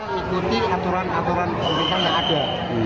ia ikuti aturan aturan mereka yang ada